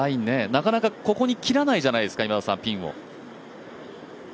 なかなかここに切らないじゃないですかピンを。